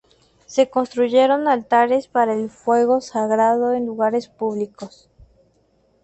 Se construyeron altares para el fuego sagrado en lugares públicos.